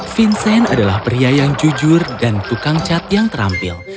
vincent adalah pria yang jujur dan tukang cat yang terampil